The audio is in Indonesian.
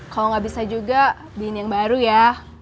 kalau nggak bisa juga bikin yang baru ya